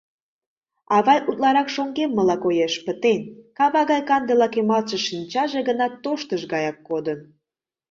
Авай утларак шоҥгеммыла коеш, пытен, кава гай канде лакемалтше шинчаже гына тоштыж гаяк кодын.